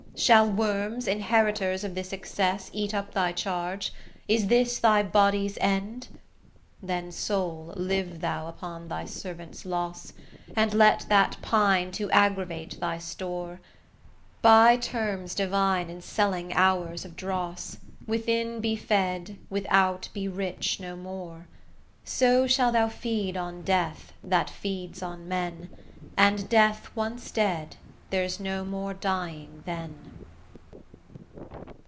Shall worms, inheritors of this excess, Eat up thy charge? Is this thy body's end? Then soul, live thou upon thy servant's loss, And let that pine to aggravate thy store; Buy terms divine in selling hours of dross; Within be fed, without be rich no more: So shall thou feed on Death, that feeds on men, And Death once dead, there's no more dying then.